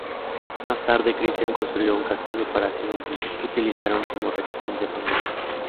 Más tarde Cristián construyó un castillo para sí mismo, que utilizaron como residencia familiar.